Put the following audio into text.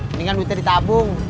mendingan duitnya ditabung